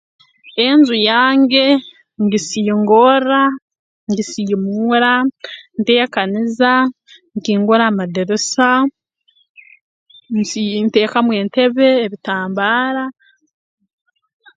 Enju yange ngisingorra ngisiimuura nteekaniza nkingura amadirisa nsii nteekamu entebe ebitambaara